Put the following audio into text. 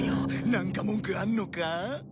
なんか文句あんのか？